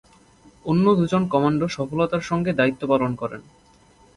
অন্য দুজন কমান্ডো সফলতার সঙ্গে দায়িত্ব পালন করেন।